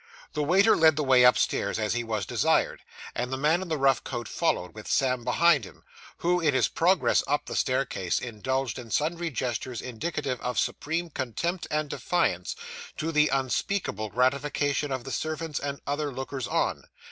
The waiter led the way upstairs as he was desired, and the man in the rough coat followed, with Sam behind him, who, in his progress up the staircase, indulged in sundry gestures indicative of supreme contempt and defiance, to the unspeakable gratification of the servants and other lookers on.